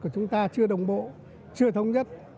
của chúng ta chưa đồng bộ chưa thống nhất